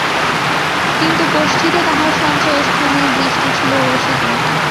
কিন্তু কোষ্ঠীতে তাহার সঞ্চয়ের স্থানে দৃষ্টি ছিল রসিকের।